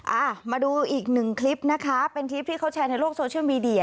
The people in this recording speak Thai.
อ่ามาดูอีกหนึ่งคลิปนะคะเป็นคลิปที่เขาแชร์ในโลกโซเชียลมีเดีย